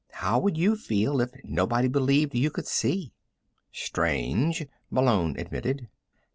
How would you feel, if nobody believed you could see?" "Strange," Malone admitted.